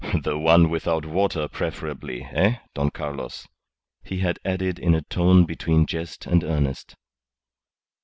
"The one without water preferably eh, Don Carlos?" he had added in a tone between jest and earnest.